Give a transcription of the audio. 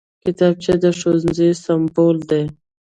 کتابچه د ښوونځي سمبول دی